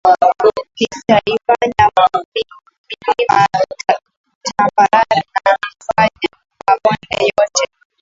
Nitaifanya milima tambarare Nitayafanya mabonde yote